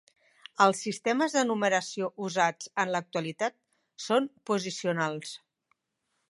Els sistemes de numeració usats en l'actualitat són posicionals.